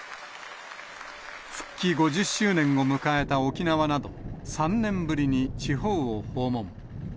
復帰５０周年を迎えた沖縄など、３年ぶりに地方を訪問。